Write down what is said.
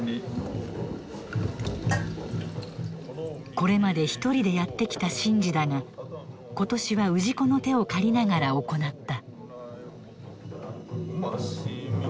これまで一人でやってきた神事だが今年は氏子の手を借りながら行った。